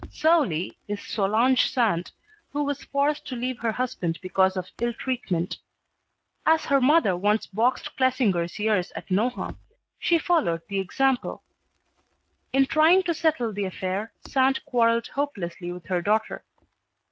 "Soli" is Solange Sand, who was forced to leave her husband because of ill treatment. As her mother once boxed Clesinger's ears at Nohant, she followed the example. In trying to settle the affair Sand quarrelled hopelessly with her daughter.